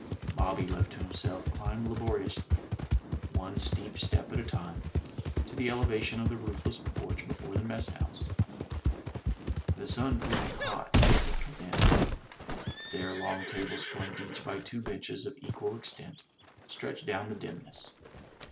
Bobby, left to himself, climbed laboriously, one steep step at a 130 THE TREASURE CHEST time, to the elevation of the roofless porch before the mess house. The Sim proving hot, he peeped within. There long tables flanked each by two benches of equal extent, stretched down the dimness.